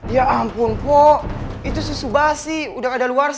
ya ampun kok itu susu basi udah ada luar